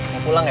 mau pulang ya